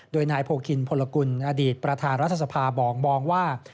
โดยนายโพคินพลกุลอดีตประธานรัฐสภามองว่า